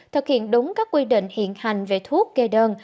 thực hiện đúng các quy định hiện hành về thuốc kê đơn